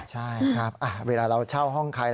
ใช่ครับเวลาเราเช่าห้องใคร